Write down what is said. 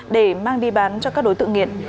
để mang đi bán cho các đối tượng nghiện